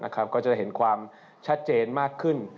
ก็จะเห็นความชัดเจนมากขึ้น